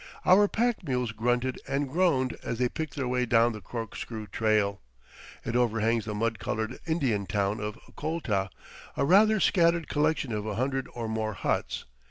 Our pack mules grunted and groaned as they picked their way down the corkscrew trail. It overhangs the mud colored Indian town of Colta, a rather scattered collection of a hundred or more huts.